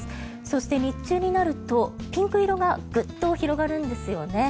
そして日中になるとピンク色がぐっと広がるんですよね。